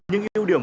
những ưu điểm